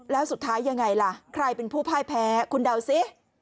แล้วสุดท้ายยังไงล่ะใครเป็นผู้พ่ายแพ้คุณเดาสิ